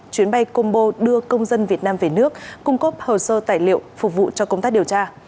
chuyến bay combo đưa công dân việt nam về nước cung cấp hồ sơ tài liệu phục vụ cho công tác điều tra